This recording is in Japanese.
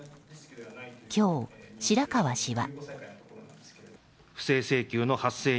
今日、白川氏は。